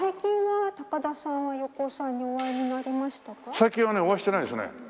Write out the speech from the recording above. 最近はねお会いしてないですね。